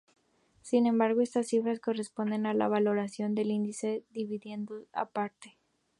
Sin embargo, estas cifras corresponden a la valoración del índice dividendos aparte.